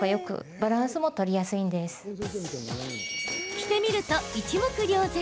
着てみると一目瞭然。